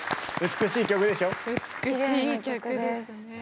美しい曲ですね。